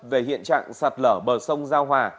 về hiện trạng sạt lở bờ sông giao hòa